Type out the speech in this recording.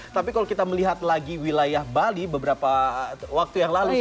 tapi kalau kita melihat lagi wilayah bali beberapa waktu yang lalu